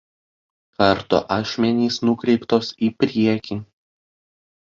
Kardo ašmenys nukreiptos į priekį.